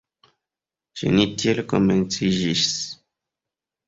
Ĉe ni tiel komenciĝis.